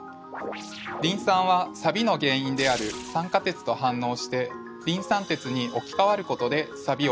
リン酸はサビの原因である酸化鉄と反応してリン酸鉄に置きかわることでサビを取ります。